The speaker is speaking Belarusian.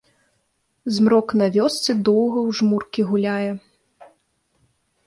Змрок на вёсцы доўга ў жмуркі гуляе.